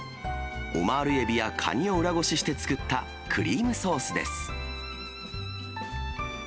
オマールエビやカニを裏ごしして作ったクリームソースです。